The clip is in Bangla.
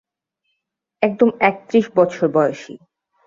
একদম একত্রিশ বছর বয়সী।